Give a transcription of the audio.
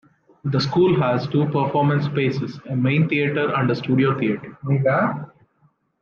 The school has two performance spaces, a main theater and a studio theater.